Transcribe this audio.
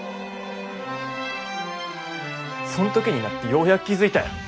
そん時になってようやく気付いたよ。